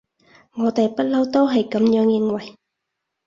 我哋不溜都係噉樣認為